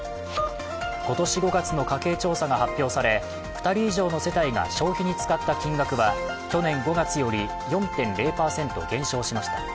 今年５月の家計調査が発表され２人以上の世帯が消費に使った金額は、去年５月より４．０％減少しました。